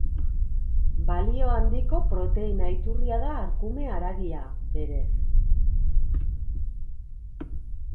Balio handiko proteina iturria da arkume haragia, berez.